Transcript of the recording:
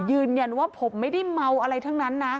ยืนยันว่าผมไม่ได้เมาอะไรทั้งนั้นนะ